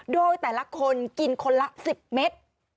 โดยแต่ละคนกินคนละ๑๐เมตร